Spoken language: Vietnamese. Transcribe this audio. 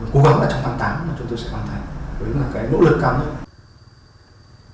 chúng tôi cố gắng trong tháng tám chúng tôi sẽ hoàn thành với nỗ lực cao nhất